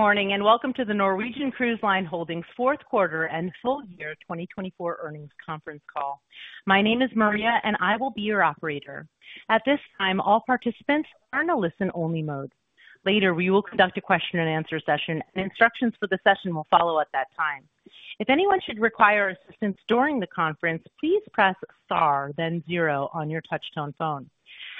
Good morning and welcome to the Norwegian Cruise Line Holdings' fourth quarter and full year 2024 earnings conference call. My name is Maria, and I will be your operator. At this time, all participants are in a listen-only mode. Later, we will conduct a question-and-answer session, and instructions for the session will follow at that time. If anyone should require assistance during the conference, please press star, then zero, on your touch-tone phone.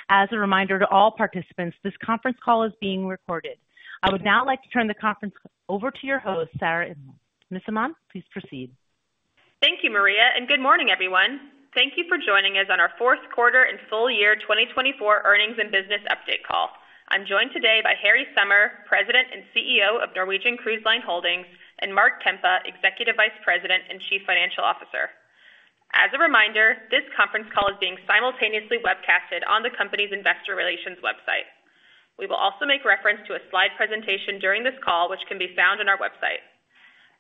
As a reminder to all participants, this conference call is being recorded. I would now like to turn the conference over to your host, Sarah Inmon. Ms. Inmon, please proceed. Thank you, Maria, and good morning, everyone. Thank you for joining us on our fourth quarter and full year 2024 earnings and business update call. I'm joined today by Harry Sommer, President and CEO of Norwegian Cruise Line Holdings, and Mark Kempa, Executive Vice President and Chief Financial Officer. As a reminder, this conference call is being simultaneously webcasted on the company's investor relations website. We will also make reference to a slide presentation during this call, which can be found on our website.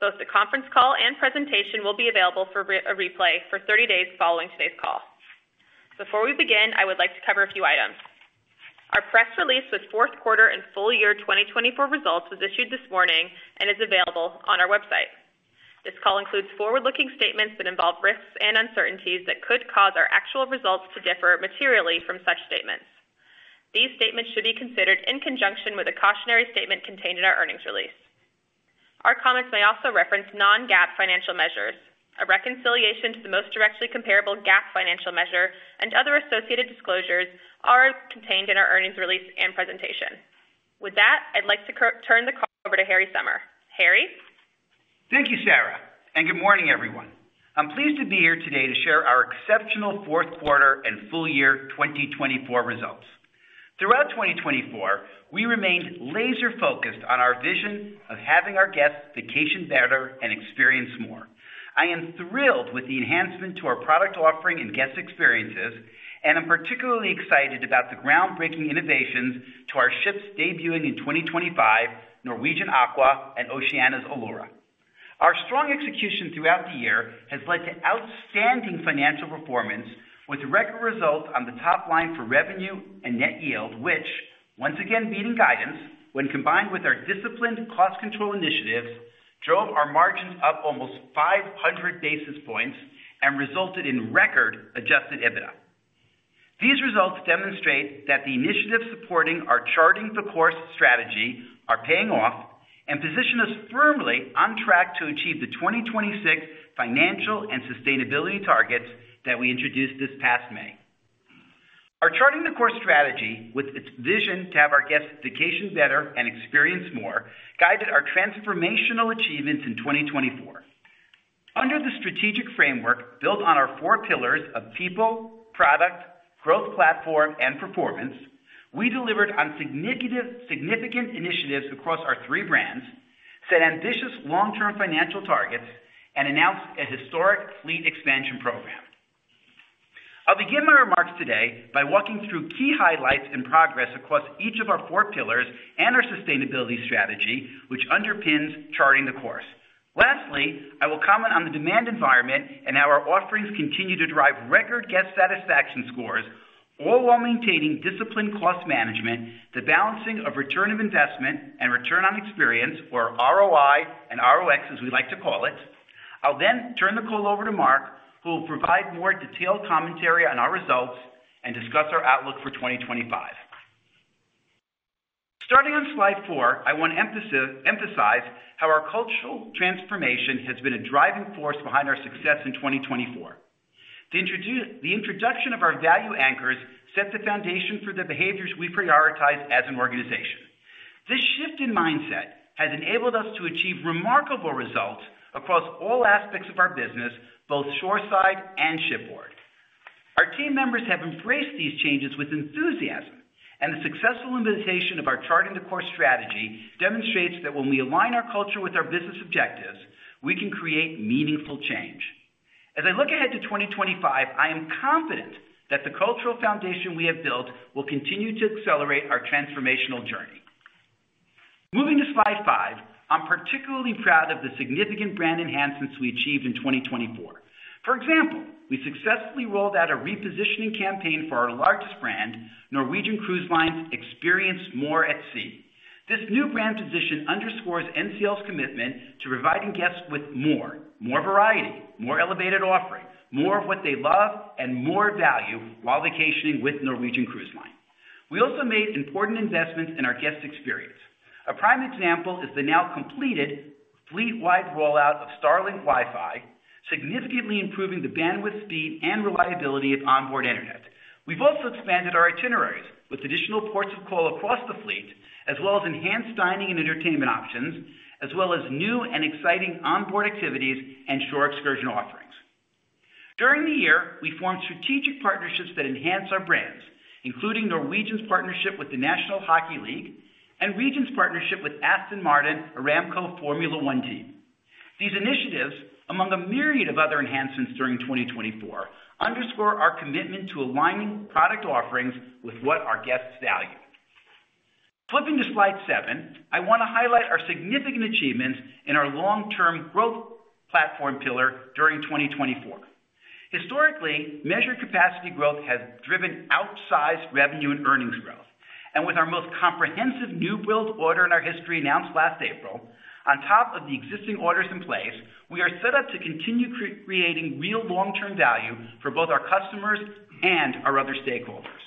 Both the conference call and presentation will be available for a replay for 30 days following today's call. Before we begin, I would like to cover a few items. Our press release with fourth quarter and full year 2024 results was issued this morning and is available on our website. This call includes forward-looking statements that involve risks and uncertainties that could cause our actual results to differ materially from such statements. These statements should be considered in conjunction with a cautionary statement contained in our earnings release. Our comments may also reference non-GAAP financial measures. A reconciliation to the most directly comparable GAAP financial measure and other associated disclosures are contained in our earnings release and presentation. With that, I'd like to turn the call over to Harry Sommer. Harry. Thank you, Sarah, and good morning, everyone. I'm pleased to be here today to share our exceptional fourth quarter and full year 2024 results. Throughout 2024, we remained laser-focused on our vision of having our guests vacation better and experience more. I am thrilled with the enhancement to our product offering and guest experiences, and I'm particularly excited about the groundbreaking innovations to our ships debuting in 2025, Norwegian Aqua and Oceania's Allura. Our strong execution throughout the year has led to outstanding financial performance, with record results on the top line for revenue and net yield, which, once again beating guidance, when combined with our disciplined cost control initiatives, drove our margins up almost 500 basis points and resulted in record adjusted EBITDA. These results demonstrate that the initiatives supporting our Charting the Course strategy are paying off and position us firmly on track to achieve the 2026 financial and sustainability targets that we introduced this past May. Our Charting the Course strategy, with its vision to have our guests vacation better and experience more, guided our transformational achievements in 2024. Under the strategic framework built on our four pillars of people, product, growth platform, and performance, we delivered on significant initiatives across our three brands, set ambitious long-term financial targets, and announced a historic fleet expansion program. I'll begin my remarks today by walking through key highlights and progress across each of our four pillars and our sustainability strategy, which underpins Charting the Course. Lastly, I will comment on the demand environment and how our offerings continue to drive record guest satisfaction scores, all while maintaining disciplined cost management, the balancing of return on investment and return on experience, or ROI and ROX, as we like to call it. I'll then turn the call over to Mark, who will provide more detailed commentary on our results and discuss our outlook for 2025. Starting on slide four, I want to emphasize how our cultural transformation has been a driving force behind our success in 2024. The introduction of our value anchors set the foundation for the behaviors we prioritize as an organization. This shift in mindset has enabled us to achieve remarkable results across all aspects of our business, both shoreside and shipboard. Our team members have embraced these changes with enthusiasm, and the successful implementation of our Charting the Course strategy demonstrates that when we align our culture with our business objectives, we can create meaningful change. As I look ahead to 2025, I am confident that the cultural foundation we have built will continue to accelerate our transformational journey. Moving to slide five, I'm particularly proud of the significant brand enhancements we achieved in 2024. For example, we successfully rolled out a repositioning campaign for our largest brand, Norwegian Cruise Line's More At Sea. This new brand position underscores NCL's commitment to providing guests with more, more variety, more elevated offering, more of what they love, and more value while vacationing with Norwegian Cruise Line. We also made important investments in our guest experience. A prime example is the now completed fleet-wide rollout of Starlink Wi-Fi, significantly improving the bandwidth, speed, and reliability of onboard internet. We've also expanded our itineraries with additional ports of call across the fleet, as well as enhanced dining and entertainment options, as well as new and exciting onboard activities and shore excursion offerings. During the year, we formed strategic partnerships that enhance our brands, including Norwegian's partnership with the National Hockey League and Regent's partnership with Aston Martin Aramco Formula One Team. These initiatives, among a myriad of other enhancements during 2024, underscore our commitment to aligning product offerings with what our guests value. Flipping to slide seven, I want to highlight our significant achievements in our long-term growth platform pillar during 2024. Historically, measured capacity growth has driven outsized revenue and earnings growth, and with our most comprehensive new build order in our history announced last April, on top of the existing orders in place, we are set up to continue creating real long-term value for both our customers and our other stakeholders.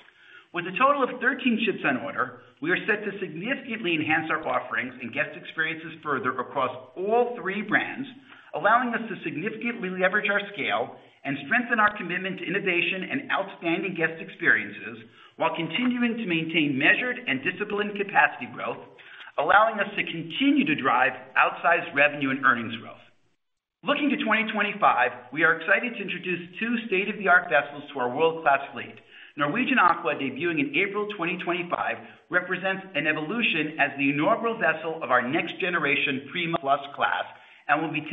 With a total of 13 ships on order, we are set to significantly enhance our offerings and guest experiences further across all three brands, allowing us to significantly leverage our scale and strengthen our commitment to innovation and outstanding guest experiences while continuing to maintain measured and disciplined capacity growth, allowing us to continue to drive outsized revenue and earnings growth. Looking to 2025, we are excited to introduce two state-of-the-art vessels to our world-class fleet. Norwegian Aqua, debuting in April 2025, represents an evolution as the inaugural vessel of our next-generation Prima Plus class and will be 10%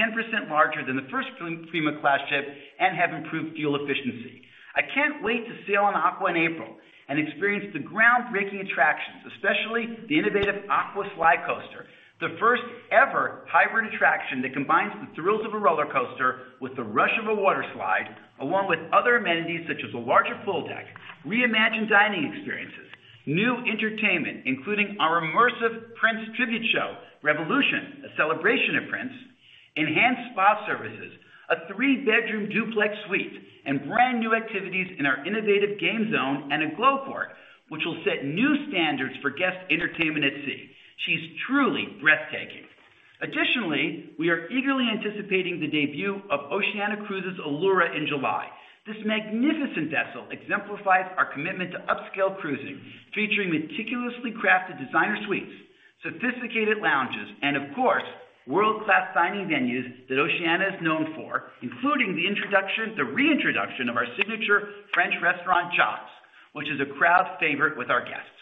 larger than the first Prima-class ship and have improved fuel efficiency. I can't wait to sail on Aqua in April and experience the groundbreaking attractions, especially the innovative Aqua Slidecoaster, the first-ever hybrid attraction that combines the thrills of a roller coaster with the rush of a water slide, along with other amenities such as a larger pool deck, reimagined dining experiences, new entertainment, including our immersive Prince Tribute Show, Revolution, a celebration of Prince, enhanced spa services, a three-bedroom duplex suite, and brand-new activities in our innovative game zone and a Glow Court, which will set new standards for guest entertainment at sea. She's truly breathtaking. Additionally, we are eagerly anticipating the debut of Oceania Cruises Allura in July. This magnificent vessel exemplifies our commitment to upscale cruising, featuring meticulously crafted designer suites, sophisticated lounges, and, of course, world-class dining venues that Oceania is known for, including the reintroduction of our signature French restaurant, Jacques, which is a crowd favorite with our guests.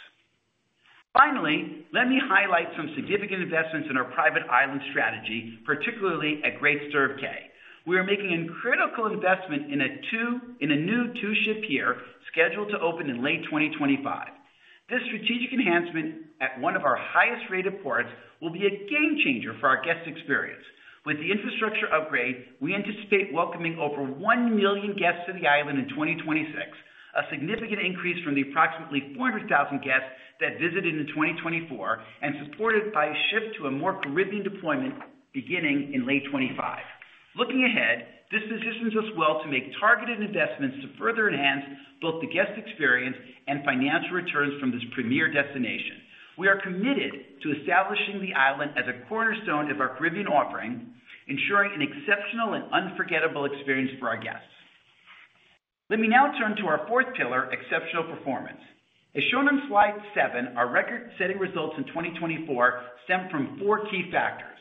Finally, let me highlight some significant investments in our private island strategy, particularly at Great Stirrup Cay. We are making a critical investment in a new two-ship pier scheduled to open in late 2025. This strategic enhancement at one of our highest-rated ports will be a game changer for our guest experience. With the infrastructure upgrade, we anticipate welcoming over one million guests to the island in 2026, a significant increase from the approximately 400,000 guests that visited in 2024 and supported by a shift to a more Caribbean deployment beginning in late 2025. Looking ahead, this positions us well to make targeted investments to further enhance both the guest experience and financial returns from this premier destination. We are committed to establishing the island as a cornerstone of our Caribbean offering, ensuring an exceptional and unforgettable experience for our guests. Let me now turn to our fourth pillar, exceptional performance. As shown on slide seven, our record-setting results in 2024 stem from four key factors: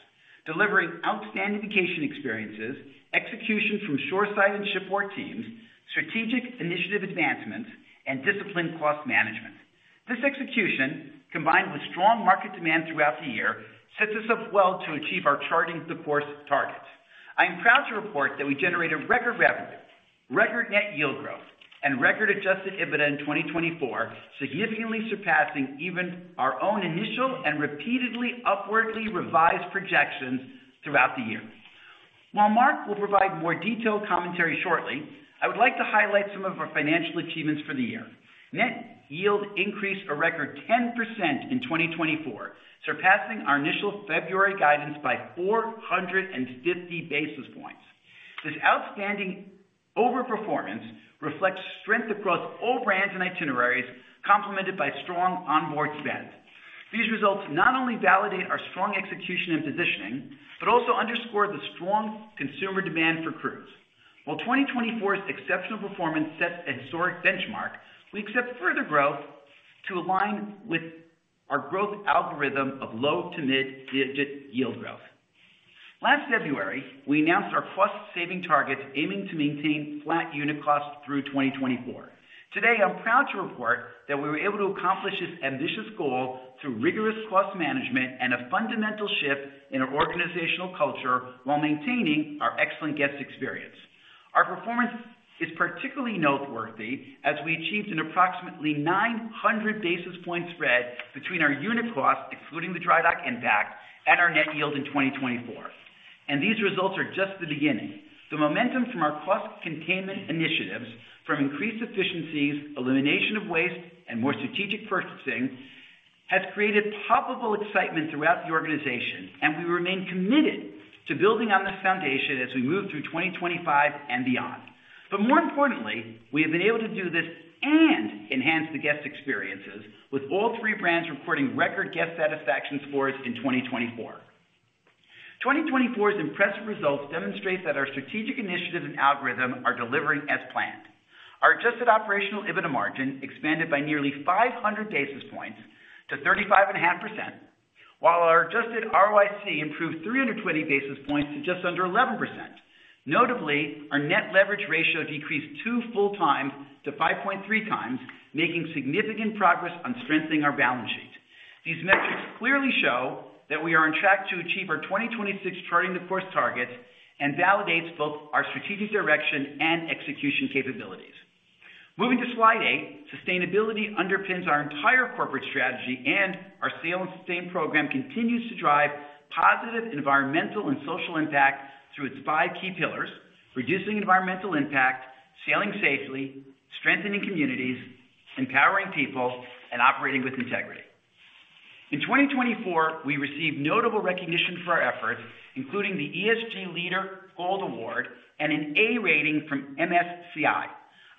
delivering outstanding vacation experiences, execution from shoreside and shipboard teams, strategic initiative advancements, and disciplined cost management. This execution, combined with strong market demand throughout the year, sets us up well to achieve our Charting the Course targets. I am proud to report that we generated record revenue, record net yield growth, and record adjusted EBITDA in 2024, significantly surpassing even our own initial and repeatedly upwardly revised projections throughout the year. While Mark will provide more detailed commentary shortly, I would like to highlight some of our financial achievements for the year. Net Yield increased a record 10% in 2024, surpassing our initial February guidance by 450 basis points. This outstanding overperformance reflects strength across all brands and itineraries, complemented by strong onboard spend. These results not only validate our strong execution and positioning, but also underscore the strong consumer demand for cruise. While 2024's exceptional performance sets a historic benchmark, we expect further growth to align with our growth algorithm of low to mid-digit yield growth. Last February, we announced our cost-saving targets, aiming to maintain flat unit costs through 2024. Today, I'm proud to report that we were able to accomplish this ambitious goal through rigorous cost management and a fundamental shift in our organizational culture while maintaining our excellent guest experience. Our performance is particularly noteworthy as we achieved an approximately 900 basis point spread between our unit costs, excluding the dry dock and dock, and our net yield in 2024. And these results are just the beginning. The momentum from our cost containment initiatives, from increased efficiencies, elimination of waste, and more strategic purchasing, has created palpable excitement throughout the organization, and we remain committed to building on this foundation as we move through 2025 and beyond. But more importantly, we have been able to do this and enhance the guest experiences with all three brands recording record guest satisfaction scores in 2024. 2024's impressive results demonstrate that our strategic initiatives and algorithm are delivering as planned. Our adjusted operational EBITDA margin expanded by nearly 500 basis points to 35.5%, while our adjusted ROIC improved 320 basis points to just under 11%. Notably, our net leverage ratio decreased two full times to 5.3x, making significant progress on strengthening our balance sheet. These metrics clearly show that we are on track to achieve our 2026 Charting the Course targets and validate both our strategic direction and execution capabilities. Moving to slide eight, sustainability underpins our entire corporate strategy, and our Sail & Sustain program continues to drive positive environmental and social impact through its five key pillars: reducing environmental impact, sailing safely, strengthening communities, empowering people, and operating with integrity. In 2024, we received notable recognition for our efforts, including the ESG Leader Gold Award and an A rating from MSCI.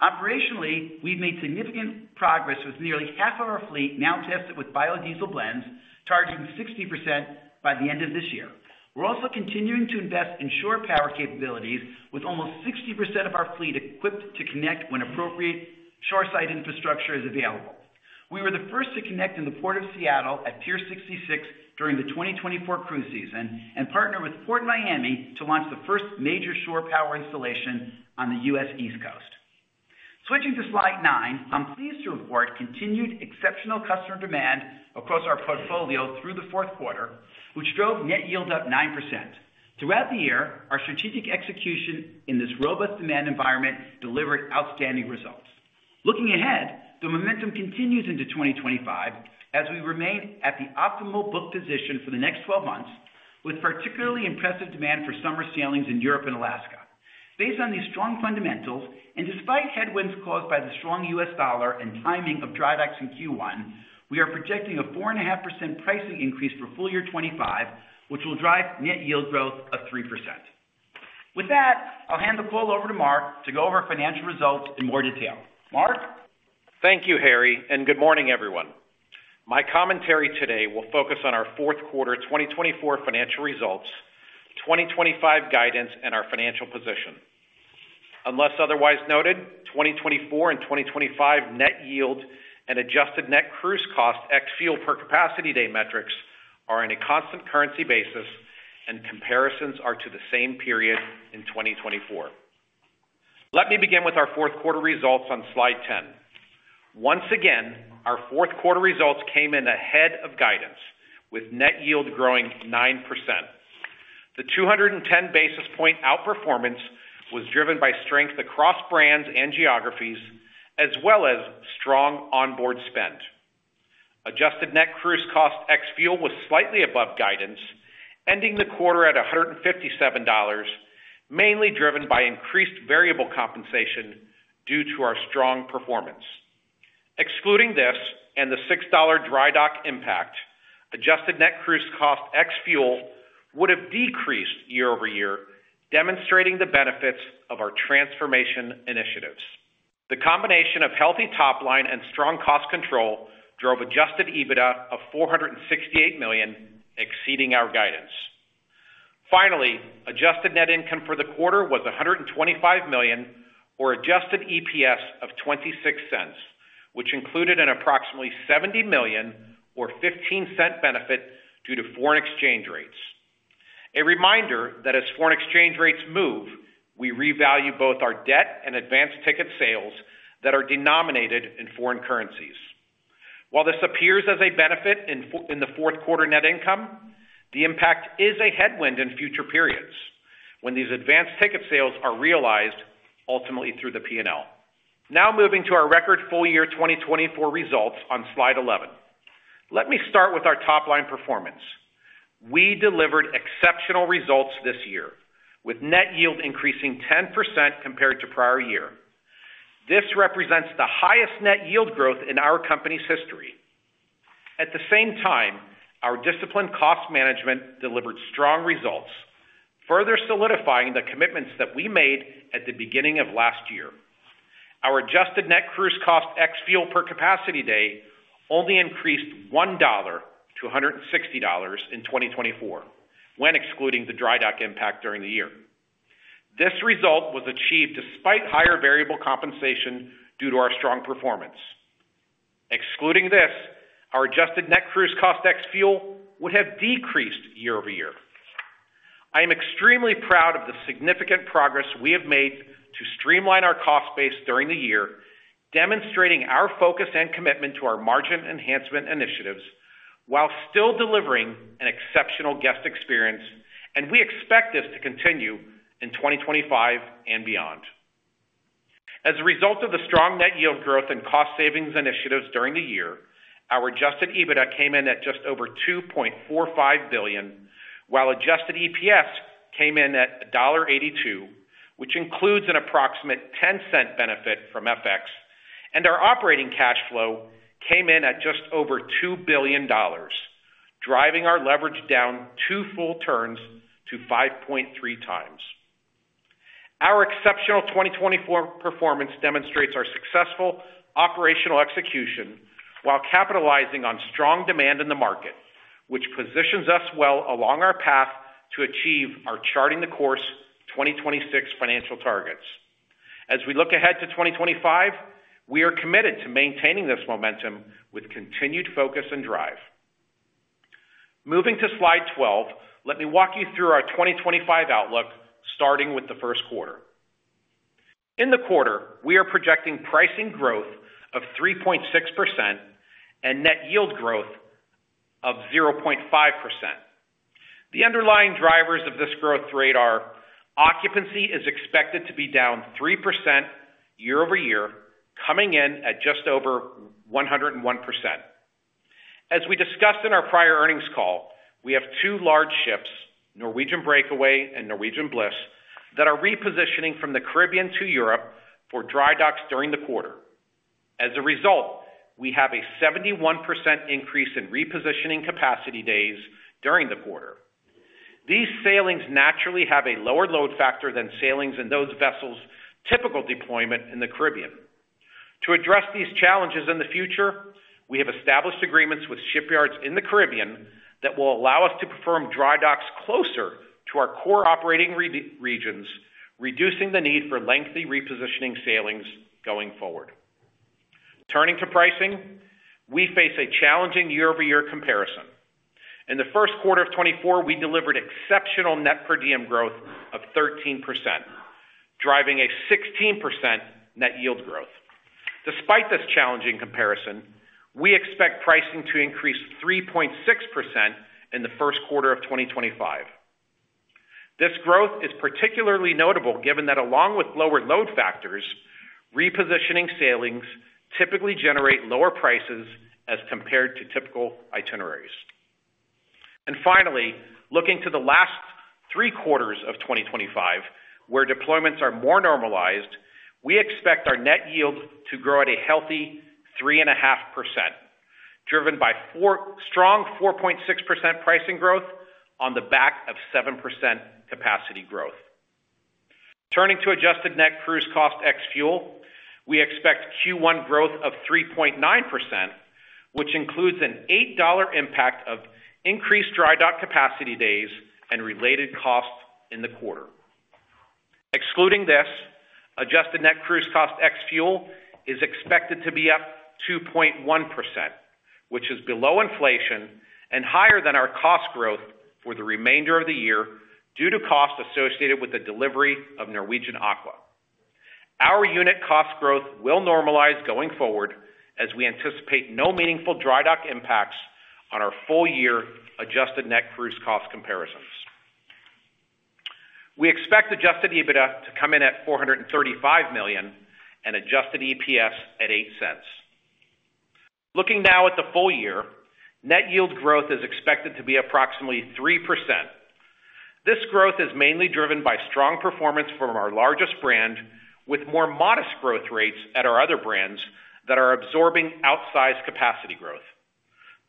Operationally, we've made significant progress with nearly half of our fleet now tested with biodiesel blends, targeting 60% by the end of this year. We're also continuing to invest in shore power capabilities, with almost 60% of our fleet equipped to connect when appropriate shoreside infrastructure is available. We were the first to connect in the Port of Seattle at Pier 66 during the 2024 cruise season and partnered with PortMiami to launch the first major shore power installation on the U.S. East Coast. Switching to slide nine, I'm pleased to report continued exceptional customer demand across our portfolio through the fourth quarter, which drove net yield up 9%. Throughout the year, our strategic execution in this robust demand environment delivered outstanding results. Looking ahead, the momentum continues into 2025 as we remain at the optimal book position for the next 12 months, with particularly impressive demand for summer sailings in Europe and Alaska. Based on these strong fundamentals, and despite headwinds caused by the strong US dollar and timing of dry docking Q1, we are projecting a 4.5% pricing increase for full year 2025, which will drive net yield growth of 3%. With that, I'll hand the call over to Mark to go over financial results in more detail. Mark. Thank you, Harry, and good morning, everyone. My commentary today will focus on our fourth quarter 2024 financial results, 2025 guidance, and our financial position. Unless otherwise noted, 2024 and 2025 net yield and adjusted net cruise costs excluding fuel per capacity day metrics are on a constant currency basis, and comparisons are to the same period in 2024. Let me begin with our fourth quarter results on slide 10. Once again, our fourth quarter results came in ahead of guidance, with net yield growing 9%. The 210 basis points outperformance was driven by strength across brands and geographies, as well as strong onboard spend. Adjusted Net Cruise Costs excluding fuel was slightly above guidance, ending the quarter at $157, mainly driven by increased variable compensation due to our strong performance. Excluding this and the $6 dry dock impact, Adjusted Net Cruise Costs excluding fuel would have decreased year-over-year, demonstrating the benefits of our transformation initiatives. The combination of healthy top line and strong cost control drove adjusted EBITDA of $468 million, exceeding our guidance. Finally, adjusted net income for the quarter was $125 million, or adjusted EPS of $0.26, which included an approximately $70 million, or $0.15 benefit due to foreign exchange rates. A reminder that as foreign exchange rates move, we revalue both our debt and advance ticket sales that are denominated in foreign currencies. While this appears as a benefit in the fourth quarter net income, the impact is a headwind in future periods when these advance ticket sales are realized, ultimately through the P&L. Now moving to our record full year 2024 results on slide 11. Let me start with our top line performance. We delivered exceptional results this year, with net yield increasing 10% compared to prior year. This represents the highest net yield growth in our company's history. At the same time, our disciplined cost management delivered strong results, further solidifying the commitments that we made at the beginning of last year. Our adjusted net cruise costs excluding fuel per capacity day only increased $1 to $160 in 2024, when excluding the dry dock impact during the year. This result was achieved despite higher variable compensation due to our strong performance. Excluding this, our Adjusted Net Cruise Costs excluding fuel would have decreased year-over-year. I am extremely proud of the significant progress we have made to streamline our cost base during the year, demonstrating our focus and commitment to our margin enhancement initiatives while still delivering an exceptional guest experience, and we expect this to continue in 2025 and beyond. As a result of the strong net yield growth and cost savings initiatives during the year, our Adjusted EBITDA came in at just over $2.45 billion, while Adjusted EPS came in at $1.82, which includes an approximate $0.10 benefit from FX, and our operating cash flow came in at just over $2 billion, driving our leverage down two full turns to 5.3x. Our exceptional 2024 performance demonstrates our successful operational execution while capitalizing on strong demand in the market, which positions us well along our path to achieve our Charting the Course 2026 financial targets. As we look ahead to 2025, we are committed to maintaining this momentum with continued focus and drive. Moving to slide 12, let me walk you through our 2025 outlook, starting with the first quarter. In the quarter, we are projecting pricing growth of 3.6% and net yield growth of 0.5%. The underlying drivers of this growth rate are occupancy is expected to be down 3% year-over-year, coming in at just over 101%. As we discussed in our prior earnings call, we have two large ships, Norwegian Breakaway and Norwegian Bliss, that are repositioning from the Caribbean to Europe for dry docks during the quarter. As a result, we have a 71% increase in repositioning capacity days during the quarter. These sailings naturally have a lower load factor than sailings in those vessels' typical deployment in the Caribbean. To address these challenges in the future, we have established agreements with shipyards in the Caribbean that will allow us to perform dry docks closer to our core operating regions, reducing the need for lengthy repositioning sailings going forward. Turning to pricing, we face a challenging year-over-year comparison. In the first quarter of 2024, we delivered exceptional net per diem growth of 13%, driving a 16% net yield growth. Despite this challenging comparison, we expect pricing to increase 3.6% in the first quarter of 2025. This growth is particularly notable given that along with lower load factors, repositioning sailings typically generate lower prices as compared to typical itineraries. And finally, looking to the last three quarters of 2025, where deployments are more normalized, we expect our Net Yield to grow at a healthy 3.5%, driven by strong 4.6% pricing growth on the back of 7% capacity growth. Turning to Adjusted Net Cruise Costs Excluding Fuel, we expect Q1 growth of 3.9%, which includes an $8 impact of increased dry dock capacity days and related costs in the quarter. Excluding this, Adjusted Net Cruise Costs Excluding Fuel is expected to be up 2.1%, which is below inflation and higher than our cost growth for the remainder of the year due to costs associated with the delivery of Norwegian Aqua. Our unit cost growth will normalize going forward as we anticipate no meaningful dry dock impacts on our full year Adjusted Net Cruise Costs Excluding Fuel comparisons. We expect Adjusted EBITDA to come in at $435 million and Adjusted EPS at $0.08. Looking now at the full year, net yield growth is expected to be approximately 3%. This growth is mainly driven by strong performance from our largest brand, with more modest growth rates at our other brands that are absorbing outsized capacity growth.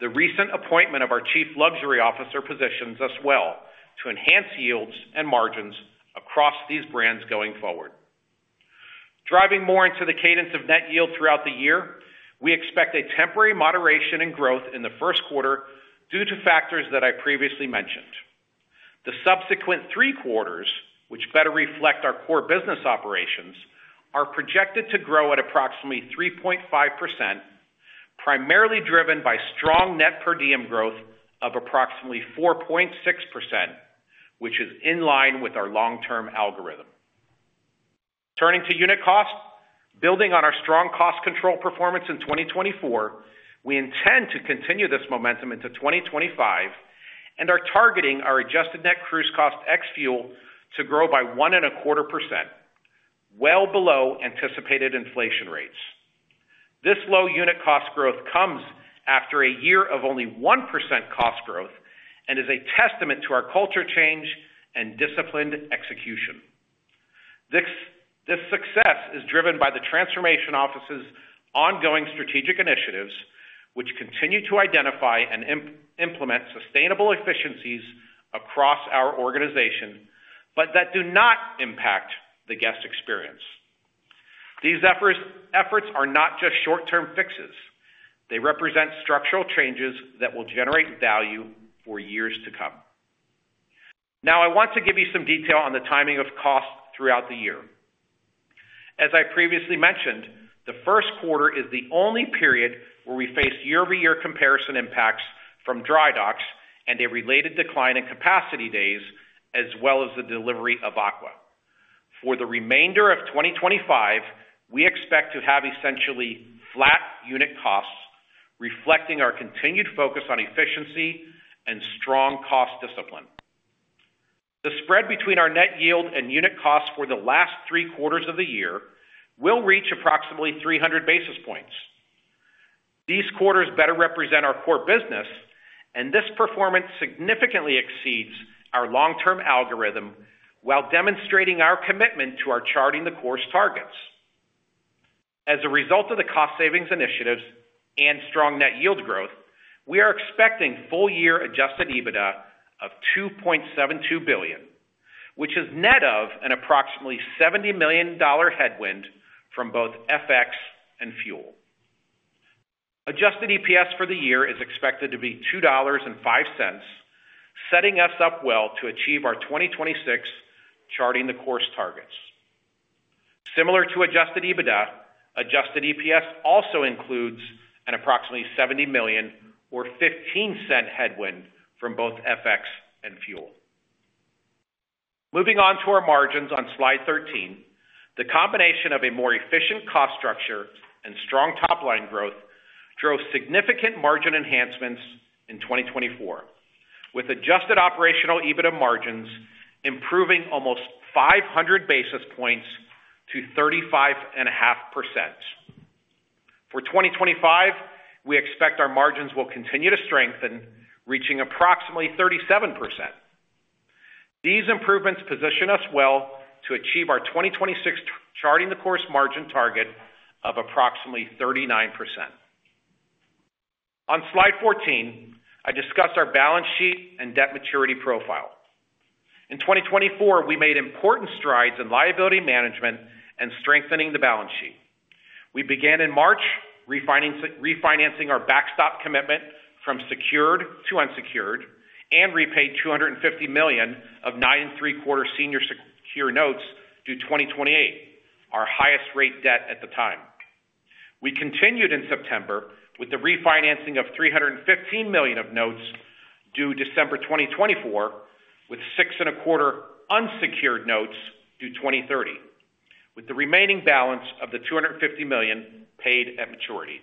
The recent appointment of our Chief Luxury Officer positions us well to enhance yields and margins across these brands going forward. Diving more into the cadence of net yield throughout the year, we expect a temporary moderation in growth in the first quarter due to factors that I previously mentioned. The subsequent three quarters, which better reflect our core business operations, are projected to grow at approximately 3.5%, primarily driven by strong net per diem growth of approximately 4.6%, which is in line with our long-term algorithm. Turning to unit costs, building on our strong cost control performance in 2024, we intend to continue this momentum into 2025 and are targeting our adjusted net cruise costs excluding fuel to grow by 1.25%, well below anticipated inflation rates. This low unit cost growth comes after a year of only 1% cost growth and is a testament to our culture change and disciplined execution. This success is driven by the transformation office's ongoing strategic initiatives, which continue to identify and implement sustainable efficiencies across our organization, but that do not impact the guest experience. These efforts are not just short-term fixes. They represent structural changes that will generate value for years to come. Now, I want to give you some detail on the timing of costs throughout the year. As I previously mentioned, the first quarter is the only period where we face year-over-year comparison impacts from dry docks and a related decline in capacity days, as well as the delivery of Aqua. For the remainder of 2025, we expect to have essentially flat unit costs, reflecting our continued focus on efficiency and strong cost discipline. The spread between our Net Yield and unit costs for the last three quarters of the year will reach approximately 300 basis points. These quarters better represent our core business, and this performance significantly exceeds our long-term algorithm, while demonstrating our commitment to our Charting the Course targets. As a result of the cost savings initiatives and strong Net Yield growth, we are expecting full year Adjusted EBITDA of $2.72 billion, which is net of an approximately $70 million headwind from both FX and fuel. Adjusted EPS for the year is expected to be $2.05, setting us up well to achieve our 2026 Charting the Course targets. Similar to adjusted EBITDA, adjusted EPS also includes an approximately $70 million or $0.15 headwind from both FX and fuel. Moving on to our margins on slide 13, the combination of a more efficient cost structure and strong top line growth drove significant margin enhancements in 2024, with adjusted operational EBITDA margins improving almost 500 basis points to 35.5%. For 2025, we expect our margins will continue to strengthen, reaching approximately 37%. These improvements position us well to achieve our 2026 Charting the Course margin target of approximately 39%. On slide 14, I discussed our balance sheet and debt maturity profile. In 2024, we made important strides in liability management and strengthening the balance sheet. We began in March refinancing our backstop commitment from secured to unsecured and repaid $250 million of nine and three quarter senior secured notes due 2028, our highest rate debt at the time. We continued in September with the refinancing of $315 million of notes due December 2024, with six and a quarter unsecured notes due 2030, with the remaining balance of the $250 million paid at maturity.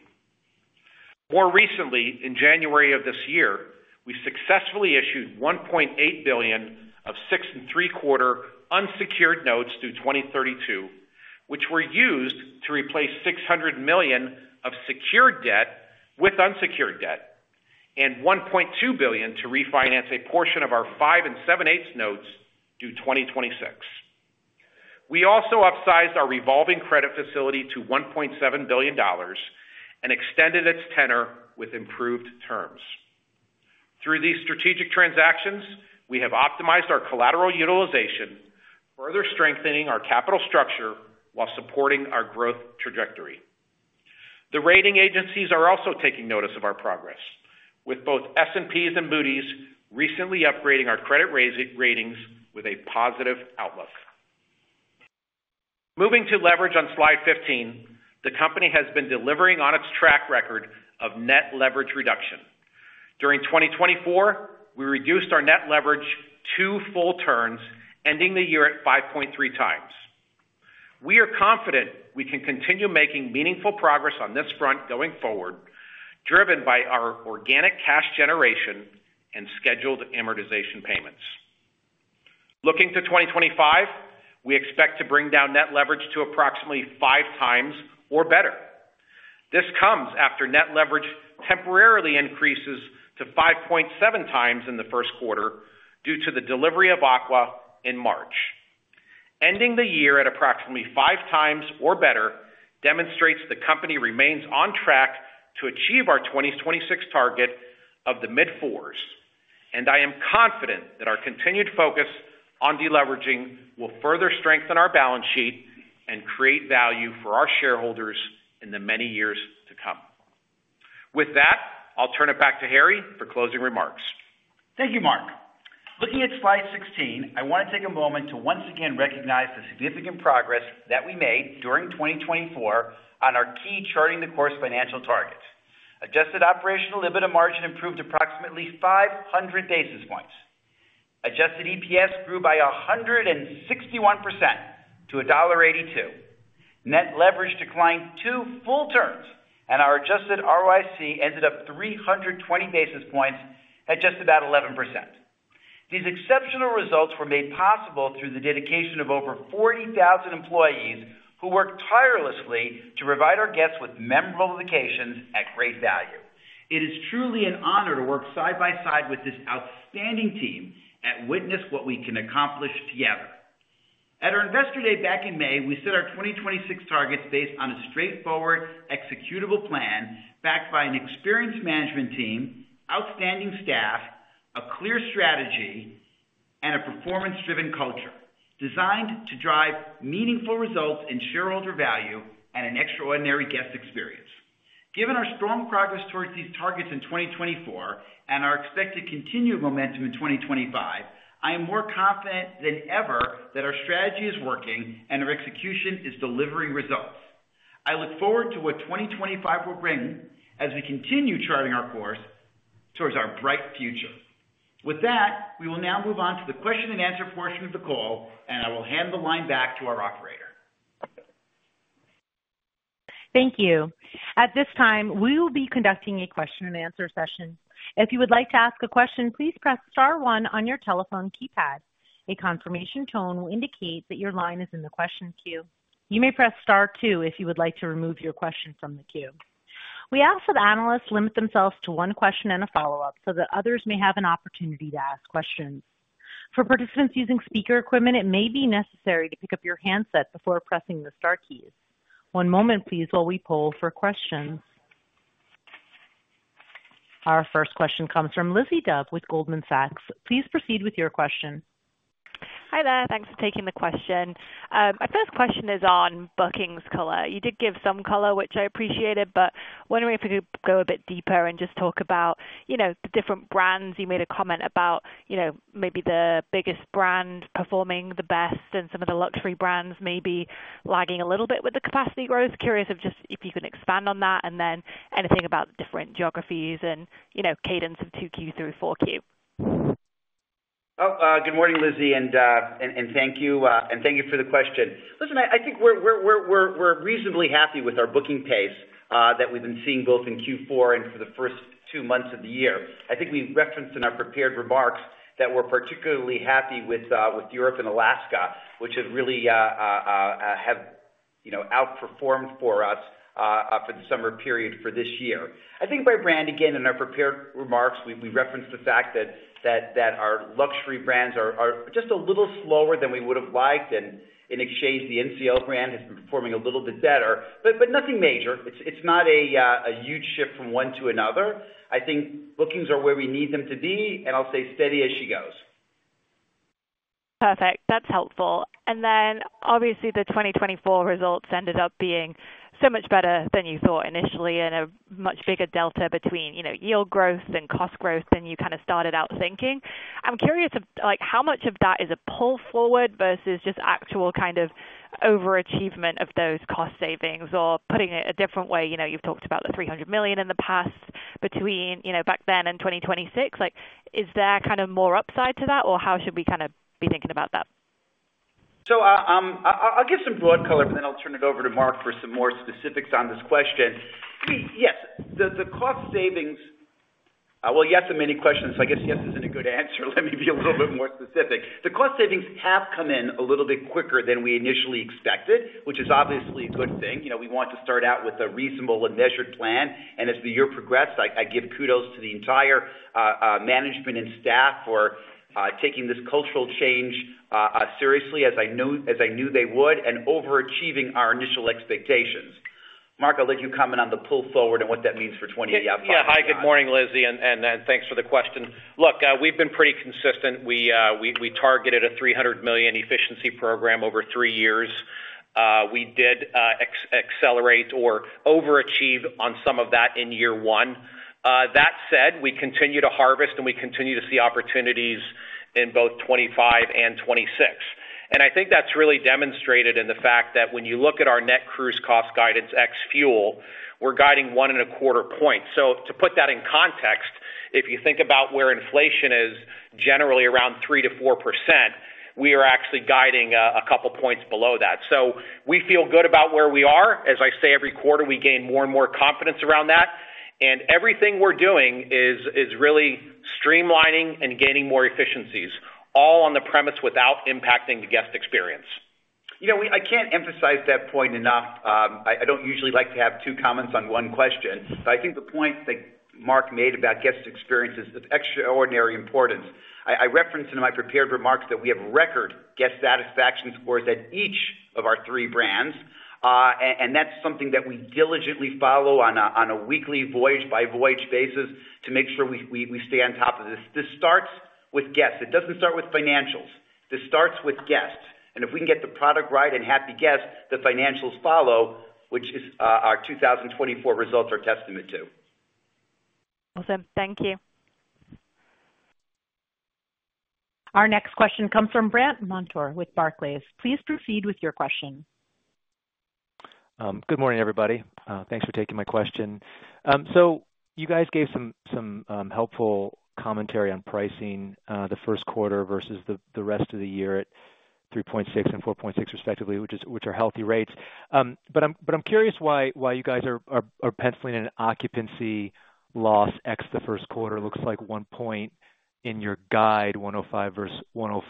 More recently, in January of this year, we successfully issued $1.8 billion of six and three quarter unsecured notes due 2032, which were used to replace $600 million of secured debt with unsecured debt and $1.2 billion to refinance a portion of our five and seven eighths notes due 2026. We also upsized our revolving credit facility to $1.7 billion and extended its tenor with improved terms. Through these strategic transactions, we have optimized our collateral utilization, further strengthening our capital structure while supporting our growth trajectory. The rating agencies are also taking notice of our progress, with both S&P's and Moody's recently upgrading our credit ratings with a positive outlook. Moving to leverage on slide 15, the company has been delivering on its track record of net leverage reduction. During 2024, we reduced our net leverage two full turns, ending the year at 5.3x. We are confident we can continue making meaningful progress on this front going forward, driven by our organic cash generation and scheduled amortization payments. Looking to 2025, we expect to bring down net leverage to approximately five times or better. This comes after net leverage temporarily increases to 5.7x in the first quarter due to the delivery of Aqua in March. Ending the year at approximately five times or better demonstrates the company remains on track to achieve our 2026 target of the mid-fours, and I am confident that our continued focus on deleveraging will further strengthen our balance sheet and create value for our shareholders in the many years to come. With that, I'll turn it back to Harry for closing remarks. Thank you, Mark. Looking at slide 16, I want to take a moment to once again recognize the significant progress that we made during 2024 on our key Charting the Course financial targets. Adjusted operational EBITDA margin improved approximately 500 basis points. Adjusted EPS grew by 161% to $1.82. Net leverage declined two full turns, and our adjusted ROIC ended up 320 basis points at just about 11%. These exceptional results were made possible through the dedication of over 40,000 employees who work tirelessly to provide our guests with memorable vacations at great value. It is truly an honor to work side by side with this outstanding team and witness what we can accomplish together. At our investor day back in May, we set our 2026 targets based on a straightforward executable plan backed by an experienced management team, outstanding staff, a clear strategy, and a performance-driven culture designed to drive meaningful results in shareholder value and an extraordinary guest experience. Given our strong progress towards these targets in 2024 and our expected continued momentum in 2025, I am more confident than ever that our strategy is working and our execution is delivering results. I look forward to what 2025 will bring as we continue charting our course towards our bright future. With that, we will now move on to the question and answer portion of the call, and I will hand the line back to our operator. Thank you. At this time, we will be conducting a question and answer session. If you would like to ask a question, please press star one on your telephone keypad. A confirmation tone will indicate that your line is in the question queue. You may press star two if you would like to remove your question from the queue. We ask that analysts limit themselves to one question and a follow-up so that others may have an opportunity to ask questions. For participants using speaker equipment, it may be necessary to pick up your handset before pressing the Star keys. One moment, please, while we poll for questions. Our first question comes from Lizzie Dove with Goldman Sachs. Please proceed with your question. Hi there. Thanks for taking the question. My first question is on bookings color. You did give some color, which I appreciated, but wondering if we could go a bit deeper and just talk about the different brands. You made a comment about maybe the biggest brand performing the best and some of the luxury brands maybe lagging a little bit with the capacity growth. Curious if you can expand on that and then anything about different geographies and cadence of 2Q through 4Q. Oh, good morning, Lizzie, and thank you. And thank you for the question. Listen, I think we're reasonably happy with our booking pace that we've been seeing both in Q4 and for the first two months of the year. I think we referenced in our prepared remarks that we're particularly happy with Europe and Alaska, which have really outperformed for us for the summer period for this year. I think by brand, again, in our prepared remarks, we referenced the fact that our luxury brands are just a little slower than we would have liked, and in exchange, the NCL brand has been performing a little bit better, but nothing major. It's not a huge shift from one to another. I think bookings are where we need them to be, and I'll say steady as she goes. Perfect. That's helpful. And then, obviously, the 2024 results ended up being so much better than you thought initially and a much bigger delta between yield growth and cost growth than you kind of started out thinking. I'm curious of how much of that is a pull forward versus just actual kind of overachievement of those cost savings or, putting it a different way, you've talked about the $300 million in the past back then and 2026. Is there kind of more upside to that, or how should we kind of be thinking about that? So I'll give some broad color, but then I'll turn it over to Mark for some more specifics on this question. Yes, the cost savings well, yes to many questions. I guess yes isn't a good answer. Let me be a little bit more specific. The cost savings have come in a little bit quicker than we initially expected, which is obviously a good thing. We want to start out with a reasonable and measured plan, and as the year progressed, I give kudos to the entire management and staff for taking this cultural change seriously, as I knew they would, and overachieving our initial expectations. Mark, I'll let you comment on the pull forward and what that means for 2025. Yeah. Hi, good morning, Lizzie, and thanks for the question. Look, we've been pretty consistent. We targeted a $300 million efficiency program over three years. We did accelerate or overachieve on some of that in year one. That said, we continue to harvest, and we continue to see opportunities in both 2025 and 2026. And I think that's really demonstrated in the fact that when you look at our net cruise cost guidance ex-fuel, we're guiding 1.25 points. To put that in context, if you think about where inflation is generally around 3%-4%, we are actually guiding a couple points below that. We feel good about where we are. As I say, every quarter, we gain more and more confidence around that. Everything we're doing is really streamlining and gaining more efficiencies, all on the premise without impacting the guest experience. I can't emphasize that point enough. I don't usually like to have two comments on one question, but I think the point that Mark made about guest experience is of extraordinary importance. I referenced in my prepared remarks that we have record guest satisfaction scores at each of our three brands, and that's something that we diligently follow on a weekly voyage-by-voyage basis to make sure we stay on top of this. This starts with guests. It doesn't start with financials. This starts with guests, and if we can get the product right and happy guests, the financials follow, which our 2024 results are a testament to. Awesome. Thank you. Our next question comes from Brandt Montour with Barclays. Please proceed with your question. Good morning, everybody. Thanks for taking my question, so you guys gave some helpful commentary on pricing the first quarter versus the rest of the year at 3.6% and 4.6%, respectively, which are healthy rates, but I'm curious why you guys are penciling in an occupancy loss ex the first quarter. It looks like one point in your guide, 105% versus 104%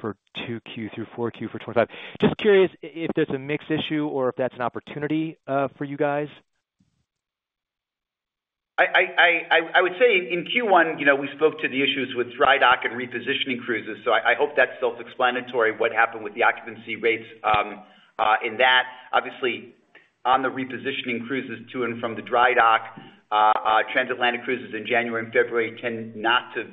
for 2Q through 4Q for 2025. Just curious if there's a mixed issue or if that's an opportunity for you guys. I would say in Q1, we spoke to the issues with dry dock and repositioning cruises, so I hope that's self-explanatory what happened with the occupancy rates in that. Obviously, on the repositioning cruises to and from the dry dock, transatlantic cruises in January and February tend not to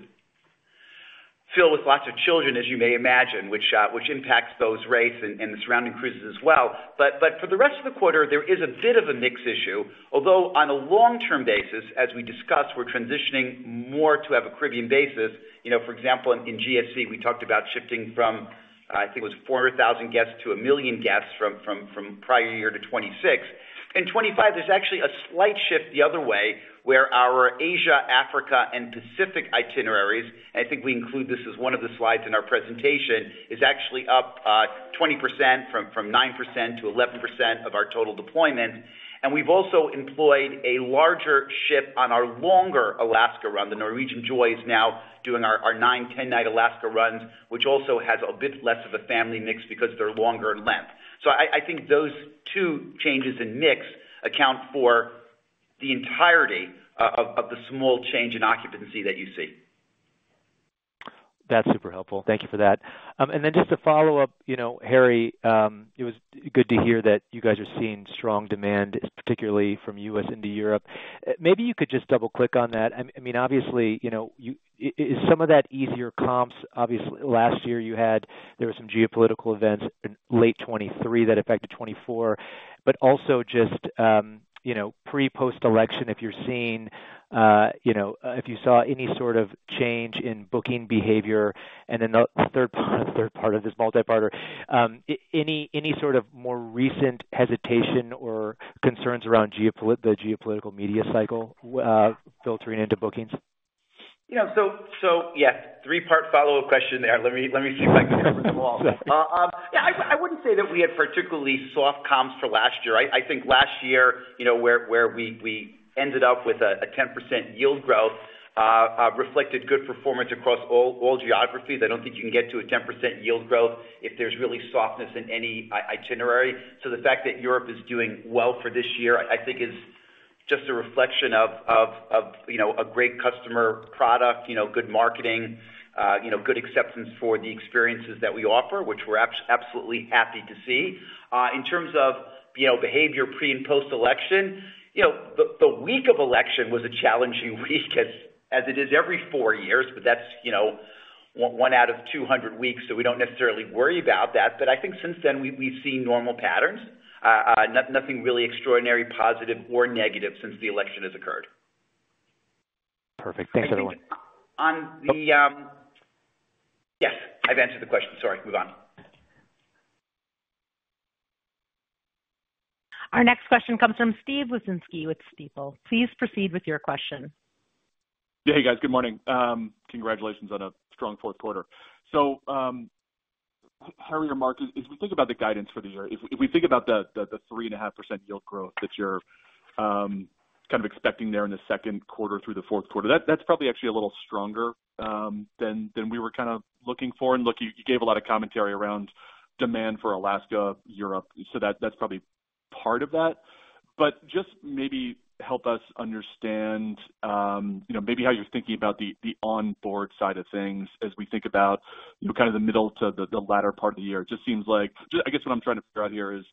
fill with lots of children, as you may imagine, which impacts those rates and the surrounding cruises as well. But for the rest of the quarter, there is a bit of a mixed issue, although on a long-term basis, as we discussed, we're transitioning more to have a Caribbean basis. For example, in GSC, we talked about shifting from, I think it was 400,000 guests to a million guests from prior year to 2026. In 2025, there's actually a slight shift the other way where our Asia, Africa, and Pacific itineraries, and I think we include this as one of the slides in our presentation, is actually up 20% from 9%-11% of our total deployment. And we've also employed a larger ship on our longer Alaska run. The Norwegian Joy is now doing our 9- and 10-night Alaska runs, which also has a bit less of a family mix because they're longer in length. So I think those two changes in mix account for the entirety of the small change in occupancy that you see. That's super helpful. Thank you for that. And then just to follow up, Harry, it was good to hear that you guys are seeing strong demand, particularly from U.S. into Europe. Maybe you could just double-click on that. I mean, obviously, is some of that easier comps? Obviously, last year, there were some geopolitical events in late 2023 that affected 2024, but also just pre-post election, if you saw any sort of change in booking behavior. And then the third part of this multi-parter, any sort of more recent hesitation or concerns around the geopolitical media cycle filtering into bookings? So yes, three-part follow-up question there. Let me see if I can cover them all. Yeah, I wouldn't say that we had particularly soft comps for last year. I think last year, where we ended up with a 10% yield growth, reflected good performance across all geographies. I don't think you can get to a 10% yield growth if there's really softness in any itinerary. So the fact that Europe is doing well for this year, I think, is just a reflection of a great customer product, good marketing, good acceptance for the experiences that we offer, which we're absolutely happy to see. In terms of behavior pre and post-election, the week of election was a challenging week, as it is every four years, but that's one out of 200 weeks, so we don't necessarily worry about that. But I think since then, we've seen normal patterns. Nothing really extraordinary, positive, or negative since the election has occurred. Perfect. Thanks, everyone. Yes, I've answered the question. Sorry. Move on. Our next question comes from Steve Wieczynski with Stifel. Please proceed with your question. Yeah, hey, guys. Good morning. Congratulations on a strong fourth quarter. So, Harry or Mark, as we think about the guidance for the year, if we think about the 3.5% yield growth that you're kind of expecting there in the second quarter through the fourth quarter, that's probably actually a little stronger than we were kind of looking for. And look, you gave a lot of commentary around demand for Alaska, Europe. So that's probably part of that. But just maybe help us understand maybe how you're thinking about the onboard side of things as we think about kind of the middle to the latter part of the year. It just seems like. I guess what I'm trying to figure out here is,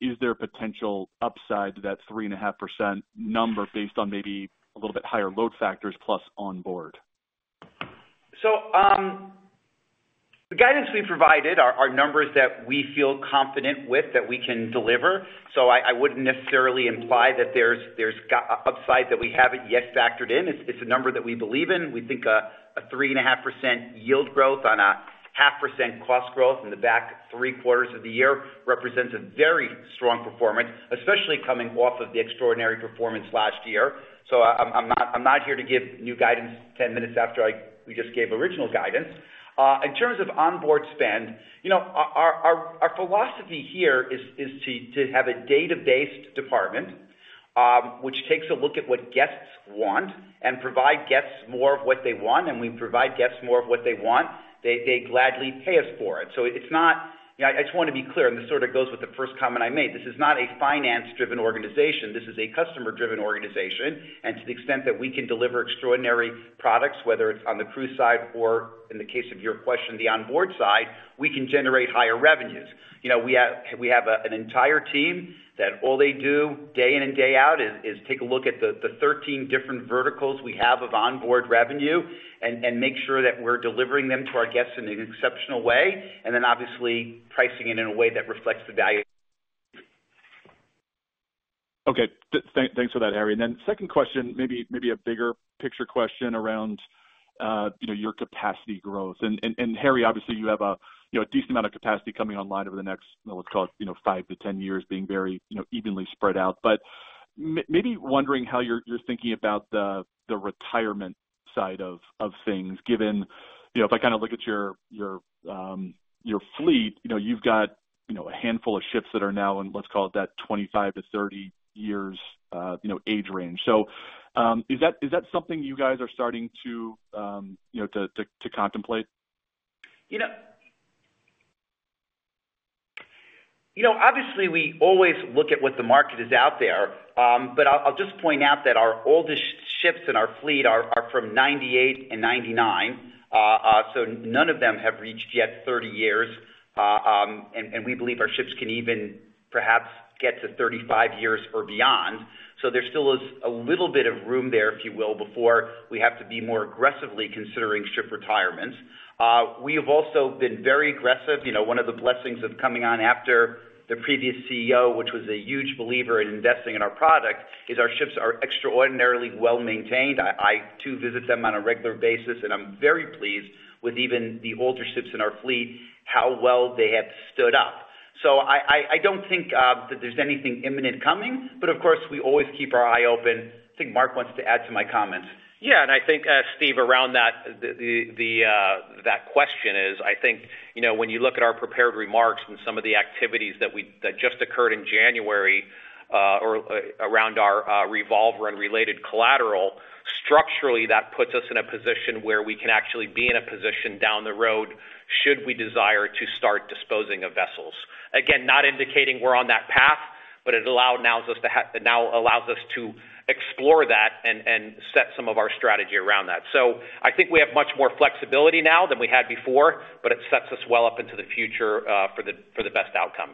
is there a potential upside to that 3.5% number based on maybe a little bit higher load factors plus onboard? So the guidance we provided are numbers that we feel confident with that we can deliver. So I wouldn't necessarily imply that there's upside that we haven't yet factored in. It's a number that we believe in. We think a 3.5% yield growth on a 0.5% cost growth in the back three quarters of the year represents a very strong performance, especially coming off of the extraordinary performance last year. So I'm not here to give new guidance 10 minutes after we just gave original guidance. \In terms of onboard spend, our philosophy here is to have a database department, which takes a look at what guests want and provides guests more of what they want. And we provide guests more of what they want. They gladly pay us for it. So I just want to be clear, and this sort of goes with the first comment I made. This is not a finance-driven organization. This is a customer-driven organization. And to the extent that we can deliver extraordinary products, whether it's on the cruise side or, in the case of your question, the onboard side, we can generate higher revenues. We have an entire team that all they do day in and day out is take a look at the 13 different verticals we have of onboard revenue and make sure that we're delivering them to our guests in an exceptional way, and then obviously pricing it in a way that reflects the value. Okay. Thanks for that, Harry. And then second question, maybe a bigger picture question around your capacity growth. And Harry, obviously, you have a decent amount of capacity coming online over the next, let's call it, five to 10 years being very evenly spread out. But maybe wondering how you're thinking about the retirement side of things, given if I kind of look at your fleet, you've got a handful of ships that are now in, let's call it that, 25-30 years age range. So is that something you guys are starting to contemplate? Obviously, we always look at what the market is out there, but I'll just point out that our oldest ships in our fleet are from 1998 and 1999. So none of them have reached yet 30 years. And we believe our ships can even perhaps get to 35 years or beyond. So there still is a little bit of room there, if you will, before we have to be more aggressively considering ship retirements. We have also been very aggressive. One of the blessings of coming on after the previous CEO, which was a huge believer in investing in our product, is our ships are extraordinarily well maintained. I, too, visit them on a regular basis, and I'm very pleased with even the older ships in our fleet, how well they have stood up. So I don't think that there's anything imminent coming, but of course, we always keep our eye open. I think Mark wants to add to my comments. Yeah. And I think, Steve, around that question is, I think when you look at our prepared remarks and some of the activities that just occurred in January or around our revolver and related collateral, structurally, that puts us in a position where we can actually be in a position down the road should we desire to start disposing of vessels. Again, not indicating we're on that path, but it allows us to explore that and set some of our strategy around that. So I think we have much more flexibility now than we had before, but it sets us well up into the future for the best outcome.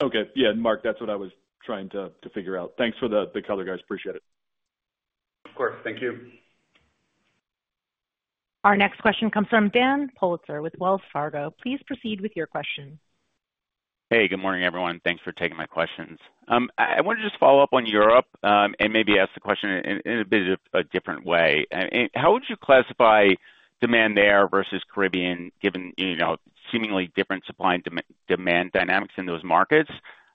Okay. Yeah. And Mark, that's what I was trying to figure out. Thanks for the color, guys. Appreciate it. Of course. Thank you. Our next question comes from Dan Politzer with Wells Fargo. Please proceed with your question. Hey, good morning, everyone. Thanks for taking my questions. I wanted to just follow up on Europe and maybe ask the question in a bit of a different way. How would you classify demand there versus Caribbean, given seemingly different supply and demand dynamics in those markets?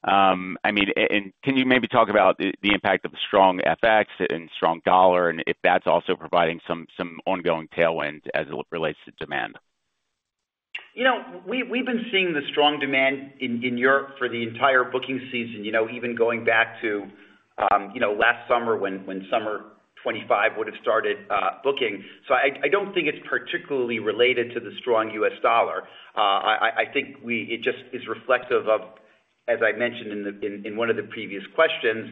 I mean, and can you maybe talk about the impact of strong FX and strong dollar and if that's also providing some ongoing tailwinds as it relates to demand? We've been seeing the strong demand in Europe for the entire booking season, even going back to last summer when summer 2025 would have started booking. So I don't think it's particularly related to the strong US dollar. I think it just is reflective of, as I mentioned in one of the previous questions,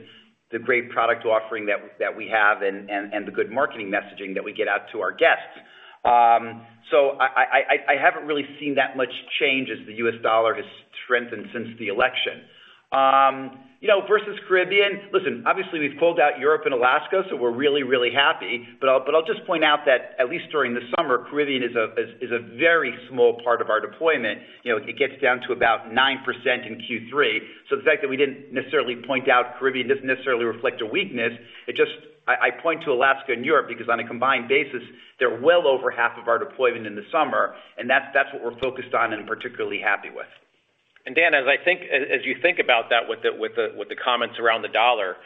the great product offering that we have and the good marketing messaging that we get out to our guests. So I haven't really seen that much change as the US dollar has strengthened since the election. Versus Caribbean, listen, obviously, we've pulled out Europe and Alaska, so we're really, really happy. But I'll just point out that at least during the summer, Caribbean is a very small part of our deployment. It gets down to about 9% in Q3. So the fact that we didn't necessarily point out Caribbean doesn't necessarily reflect a weakness. I point to Alaska and Europe because on a combined basis, they're well over half of our deployment in the summer. And that's what we're focused on and particularly happy with. And Dan, as you think about that with the comments around the dollar,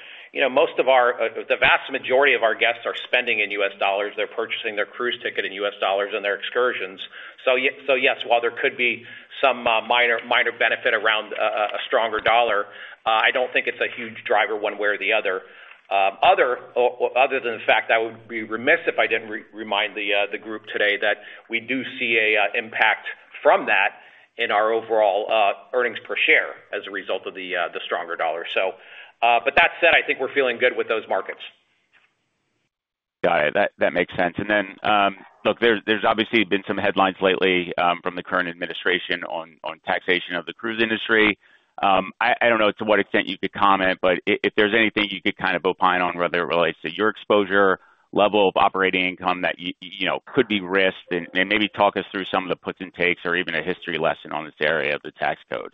most of the vast majority of our guests are spending in US dollars. They're purchasing their cruise ticket in US dollars on their excursions. So yes, while there could be some minor benefit around a stronger dollar, I don't think it's a huge driver one way or the other. Other than the fact I would be remiss if I didn't remind the group today that we do see an impact from that in our overall earnings per share as a result of the stronger dollar, but that said, I think we're feeling good with those markets. Got it. That makes sense, and then, look, there's obviously been some headlines lately from the current administration on taxation of the cruise industry. I don't know to what extent you could comment, but if there's anything you could kind of opine on, whether it relates to your exposure, level of operating income that could be risked, and maybe talk us through some of the puts and takes or even a history lesson on this area of the tax code.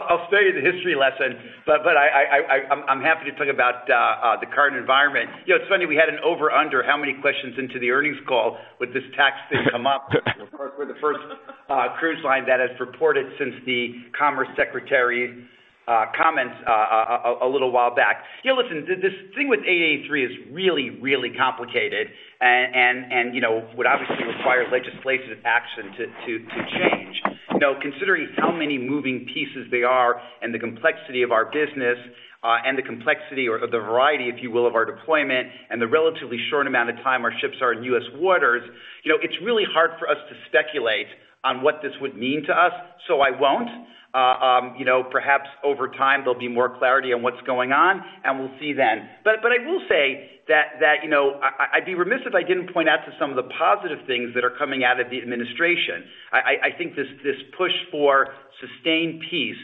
I'll study the history lesson, but I'm happy to talk about the current environment. It's funny. We had an over/under. How many questions into the earnings call would this tax thing come up? Of course, we're the first cruise line that has reported since the Commerce Secretary's comments a little while back. Listen, this thing with Section 883 is really, really complicated and would obviously require legislative action to change. Considering how many moving pieces they are and the complexity of our business and the complexity or the variety, if you will, of our deployment and the relatively short amount of time our ships are in U.S. waters, it's really hard for us to speculate on what this would mean to us. So I won't. Perhaps over time, there'll be more clarity on what's going on, and we'll see then. But I will say that I'd be remiss if I didn't point out to some of the positive things that are coming out of the administration. I think this push for sustained peace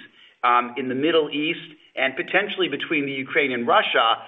in the Middle East and potentially between the Ukraine and Russia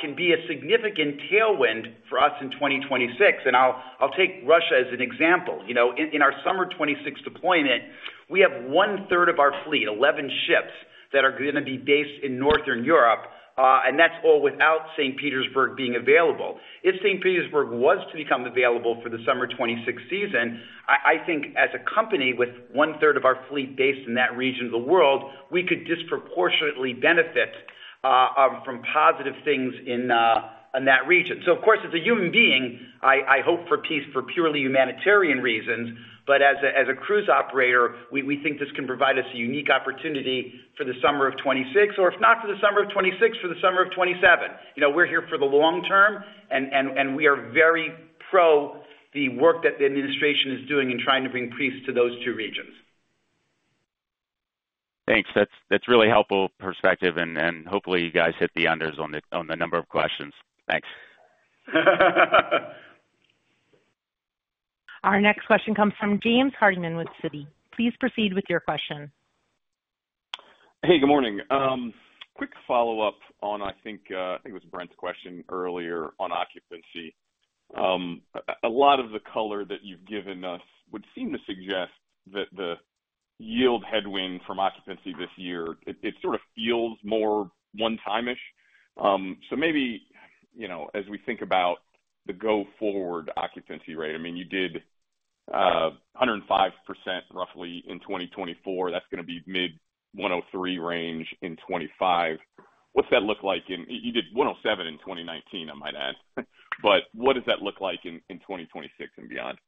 can be a significant tailwind for us in 2026. And I'll take Russia as an example. In our summer 2026 deployment, we have one-third of our fleet, 11 ships that are going to be based in Northern Europe, and that's all without St. Petersburg being available. If St. Petersburg was to become available for the summer 2026 season, I think as a company with one-third of our fleet based in that region of the world, we could disproportionately benefit from positive things in that region. So of course, as a human being, I hope for peace for purely humanitarian reasons. But as a cruise operator, we think this can provide us a unique opportunity for the summer of 2026, or if not for the summer of 2026, for the summer of 2027. We're here for the long term, and we are very pro the work that the administration is doing in trying to bring peace to those two regions. Thanks. That's really helpful perspective, and hopefully, you guys hit the unders on the number of questions. Thanks. Our next question comes from James Hardiman with Citi. Please proceed with your question. Hey, good morning. Quick follow-up on, I think it was Brandt's question earlier on occupancy. A lot of the color that you've given us would seem to suggest that the yield headwind from occupancy this year, it sort of feels more one-time-ish. So maybe as we think about the go-forward occupancy rate, I mean, you did 105% roughly in 2024. That's going to be mid-103% range in 2025. What's that look like? You did 107% in 2019, I might add. But what does that look like in 2026 and beyond?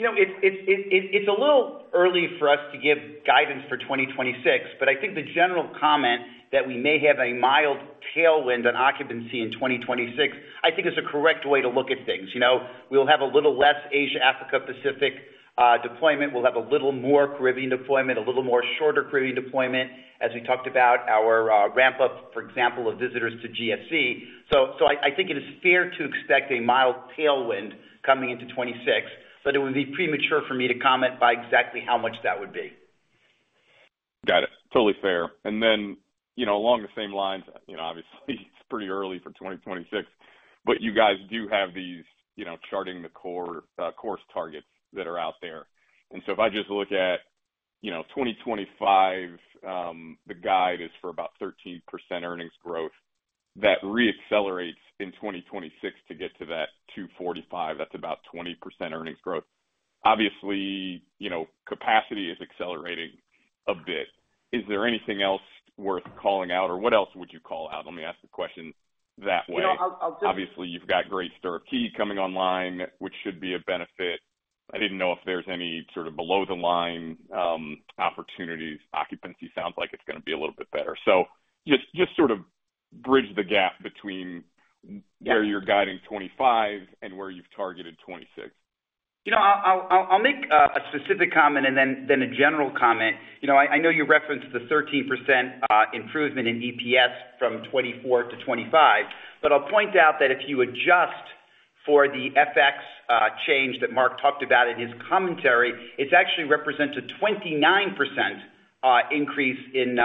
It's a little early for us to give guidance for 2026, but I think the general comment that we may have a mild tailwind on occupancy in 2026, I think is a correct way to look at things. We'll have a little less Asia-Africa-Pacific deployment. We'll have a little more Caribbean deployment, a little more shorter Caribbean deployment, as we talked about our ramp-up, for example, of visitors to GSC. So I think it is fair to expect a mild tailwind coming into 2026, but it would be premature for me to comment by exactly how much that would be. Got it. Totally fair. And then along the same lines, obviously, it's pretty early for 2026, but you guys do have these Charting the Course targets that are out there. And so if I just look at 2025, the guide is for about 13% earnings growth. That re-accelerates in 2026 to get to that 245. That's about 20% earnings growth. Obviously, capacity is accelerating a bit. Is there anything else worth calling out, or what else would you call out? Let me ask the question that way. Obviously, you've got Great Stirrup Cay coming online, which should be a benefit. I didn't know if there's any sort of below-the-line opportunities. Occupancy sounds like it's going to be a little bit better. So just sort of bridge the gap between where you're guiding 2025 and where you've targeted 2026. I'll make a specific comment and then a general comment. I know you referenced the 13% improvement in EPS from 2024 to 2025, but I'll point out that if you adjust for the FX change that Mark talked about in his commentary, it's actually represented a 29% increase in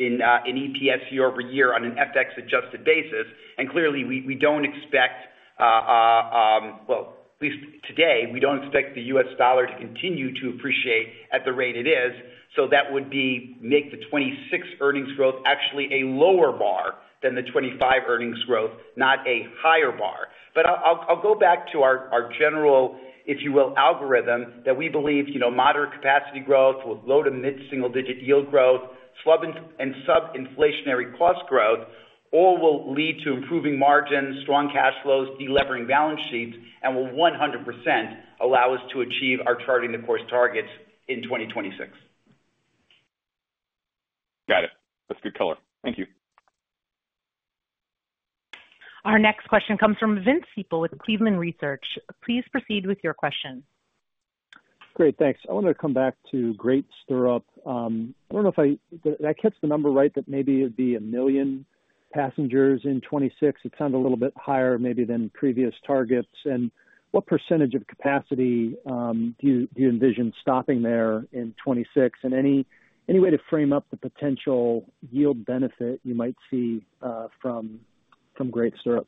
EPS year-over-year on an FX-adjusted basis. And clearly, we don't expect. Well, at least today, we don't expect the US dollar to continue to appreciate at the rate it is. So that would make the 2026 earnings growth actually a lower bar than the 2025 earnings growth, not a higher bar. But I'll go back to our general, if you will, algorithm that we believe moderate capacity growth with low to mid-single-digit yield growth and sub-inflationary cost growth all will lead to improving margins, strong cash flows, delivering balance sheets, and will 100% allow us to achieve our Charting the Course targets in 2026. Got it. That's good color. Thank you. Our next question comes from Vince Ciepiel with Cleveland Research. Please proceed with your question. Great. Thanks. I wanted to come back to Great Stirrup. I don't know if I did I catch the number right that maybe it'd be a million passengers in 2026? It sounds a little bit higher maybe than previous targets. And what percentage of capacity do you envision stopping there in 2026? And any way to frame up the potential yield benefit you might see from Great Stirrup?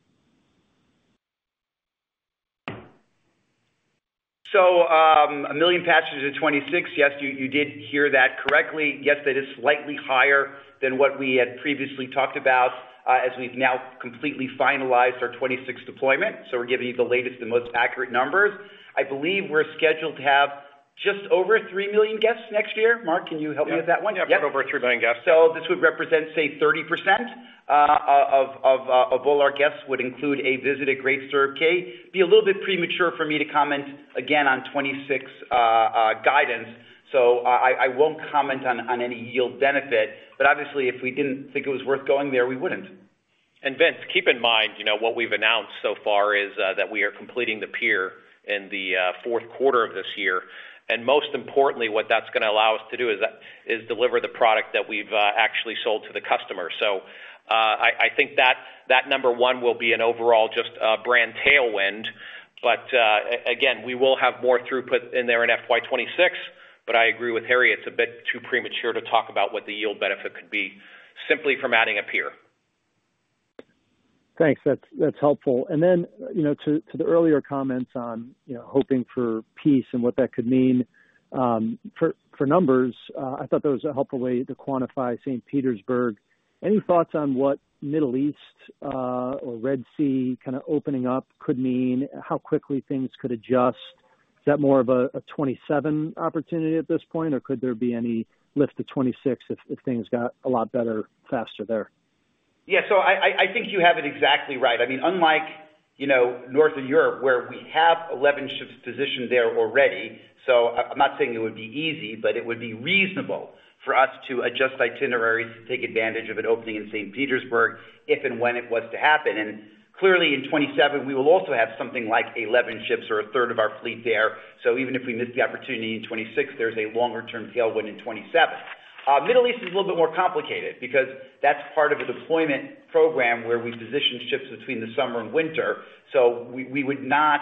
So a million passengers in 2026, yes, you did hear that correctly. Yes, that is slightly higher than what we had previously talked about as we've now completely finalized our 2026 deployment. So we're giving you the latest, the most accurate numbers. I believe we're scheduled to have just over 3 million guests next year. Mark, can you help me with that one? Yep. Over 3 million guests. So this would represent, say, 30% of all our guests would include a visit at Great Stirrup Cay. Be a little bit premature for me to comment again on 2026 guidance. So I won't comment on any yield benefit. But obviously, if we didn't think it was worth going there, we wouldn't. And Vince, keep in mind what we've announced so far is that we are completing the pier in the fourth quarter of this year. And most importantly, what that's going to allow us to do is deliver the product that we've actually sold to the customer. So I think that number one will be an overall just brand tailwind. But again, we will have more throughput in there in FY 2026, but I agree with Harry, it's a bit too premature to talk about what the yield benefit could be simply from adding a pier. Thanks. That's helpful. And then to the earlier comments on hoping for peace and what that could mean for numbers, I thought that was a helpful way to quantify St. Petersburg. Any thoughts on what Middle East or Red Sea kind of opening up could mean, how quickly things could adjust? Is that more of a 2027 opportunity at this point, or could there be any lift to 2026 if things got a lot better, faster there? Yeah, so I think you have it exactly right. I mean, unlike Northern Europe, where we have 11 ships positioned there already, so I'm not saying it would be easy, but it would be reasonable for us to adjust itineraries to take advantage of it opening in St. Petersburg if and when it was to happen, and clearly, in 2027, we will also have something like 11 ships or a third of our fleet there, so even if we miss the opportunity in 2026, there's a longer-term tailwind in 2027. Middle East is a little bit more complicated because that's part of a deployment program where we position ships between the summer and winter. So we would not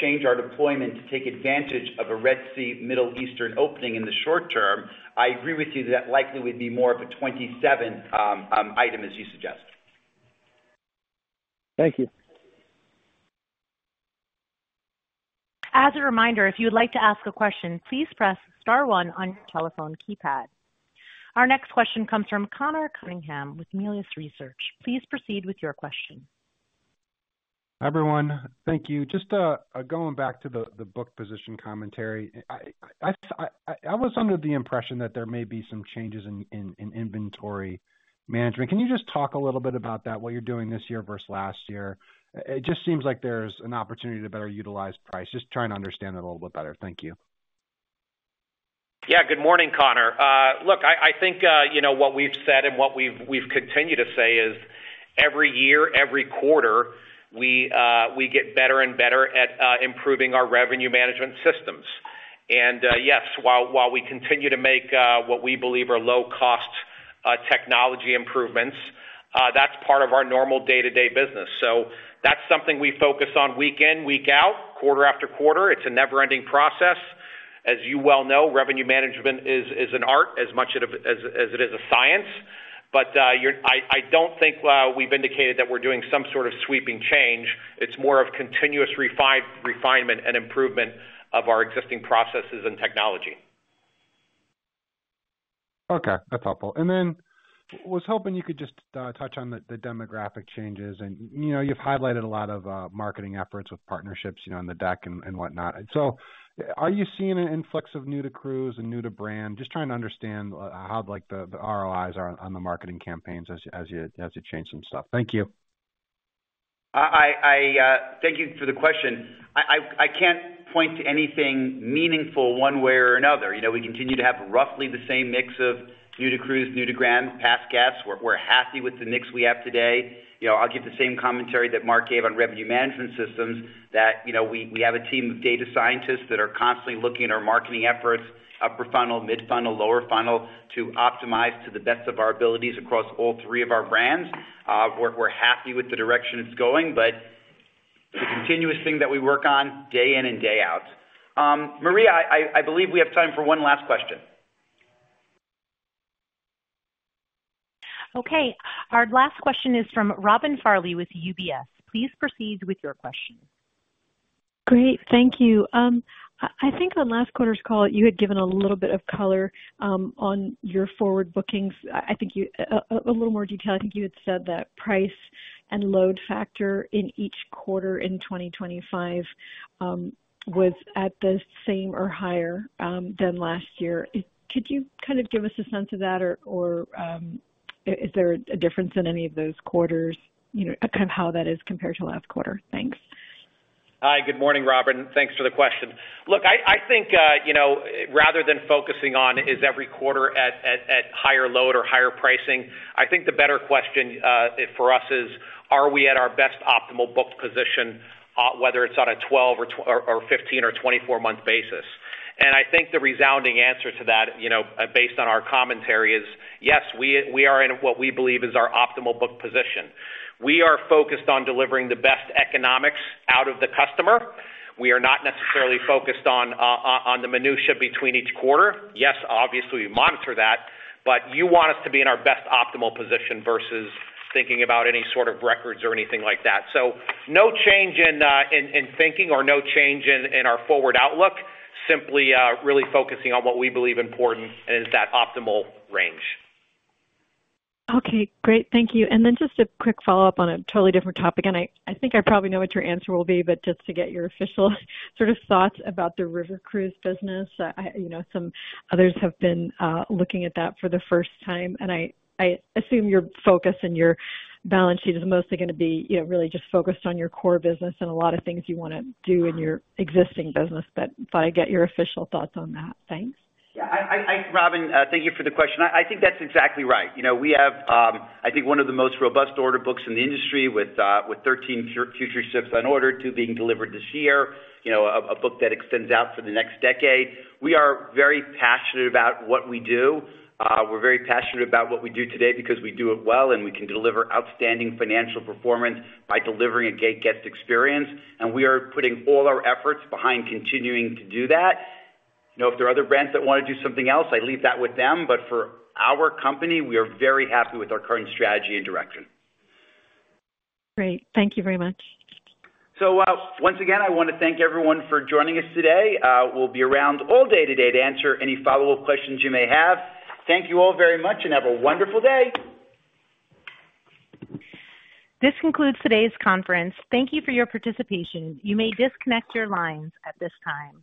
change our deployment to take advantage of a Red Sea-Middle Eastern opening in the short term. I agree with you that that likely would be more of a 2027 item, as you suggest. Thank you. As a reminder, if you'd like to ask a question, please press star one on your telephone keypad. Our next question comes from Conor Cunningham with Melius Research. Please proceed with your question. Hi, everyone. Thank you. Just going back to the book position commentary, I was under the impression that there may be some changes in inventory management. Can you just talk a little bit about that, what you're doing this year versus last year? It just seems like there's an opportunity to better utilize price. Just trying to understand it a little bit better. Thank you. Yeah. Good morning, Conor. Look, I think what we've said and what we've continued to say is every year, every quarter, we get better and better at improving our revenue management systems. And yes, while we continue to make what we believe are low-cost technology improvements, that's part of our normal day-to-day business. So that's something we focus on week in, week out, quarter after quarter. It's a never-ending process. As you well know, revenue management is an art as much as it is a science. But I don't think we've indicated that we're doing some sort of sweeping change. It's more of continuous refinement and improvement of our existing processes and technology. Okay. That's helpful. And then was hoping you could just touch on the demographic changes. You've highlighted a lot of marketing efforts with partnerships on the deck and whatnot. So are you seeing an influx of new-to-cruise and new-to-brand? Just trying to understand how the ROIs are on the marketing campaigns as you change some stuff. Thank you. Thank you for the question. I can't point to anything meaningful one way or another. We continue to have roughly the same mix of new-to-cruise, new-to-brand, past guests. We're happy with the mix we have today. I'll give the same commentary that Mark gave on revenue management systems, that we have a team of data scientists that are constantly looking at our marketing efforts, upper funnel, mid-funnel, lower funnel, to optimize to the best of our abilities across all three of our brands. We're happy with the direction it's going, but the continuous thing that we work on day in and day out. Maria, I believe we have time for one last question. Okay. Our last question is from Robin Farley with UBS. Please proceed with your question. Great. Thank you. I think on last quarter's call, you had given a little bit of color on your forward bookings. I think a little more detail. I think you had said that price and load factor in each quarter in 2025 was at the same or higher than last year. Could you kind of give us a sense of that, or is there a difference in any of those quarters, kind of how that is compared to last quarter? Thanks. Hi. Good morning, Robin. Thanks for the question. Look, I think rather than focusing on is every quarter at higher load or higher pricing, I think the better question for us is, are we at our best optimal booked position, whether it's on a 12 or 15 or 24-month basis? I think the resounding answer to that, based on our commentary, is yes, we are in what we believe is our optimal booked position. We are focused on delivering the best economics out of the customer. We are not necessarily focused on the minutia between each quarter. Yes, obviously, we monitor that, but you want us to be in our best optimal position versus thinking about any sort of records or anything like that. No change in thinking or no change in our forward outlook, simply really focusing on what we believe important and is that optimal range. Okay. Great. Thank you. And then just a quick follow-up on a totally different topic. I think I probably know what your answer will be, but just to get your official sort of thoughts about the river cruise business. Some others have been looking at that for the first time. I assume your focus and your balance sheet is mostly going to be really just focused on your core business and a lot of things you want to do in your existing business. But thought I'd get your official thoughts on that. Thanks. Yeah. Robin, thank you for the question. I think that's exactly right. We have, I think, one of the most robust order books in the industry with 13 future ships on order to be delivered this year, a book that extends out for the next decade. We are very passionate about what we do. We're very passionate about what we do today because we do it well and we can deliver outstanding financial performance by delivering a great guest experience. And we are putting all our efforts behind continuing to do that. If there are other brands that want to do something else, I leave that with them. But for our company, we are very happy with our current strategy and direction. Great. Thank you very much. So once again, I want to thank everyone for joining us today. We'll be around all day today to answer any follow-up questions you may have. Thank you all very much and have a wonderful day. This concludes today's conference. Thank you for your participation. You may disconnect your lines at this time.